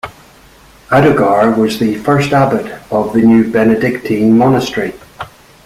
Audogar was the first abbot of the new Benedictine monastery.